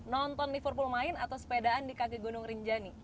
nonton liverpool main atau sepedaan di kaki gunung rinjani